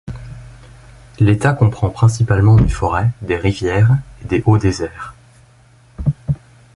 L'état comprend principalement des forêts, des rivières et des hauts déserts.